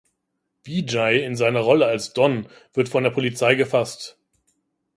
Vijay in seiner Rolle als Don wird von der Polizei gefasst.